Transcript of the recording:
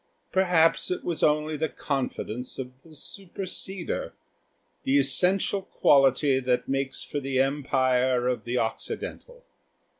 Perhaps it was only the confidence of the superseder, the essential quality that makes for the empire of the Occidental.